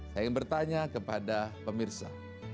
saya bertanya kepada pemirsa